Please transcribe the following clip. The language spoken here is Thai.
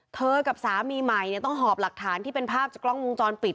กับสามีใหม่ต้องหอบหลักฐานที่เป็นภาพจากกล้องวงจรปิด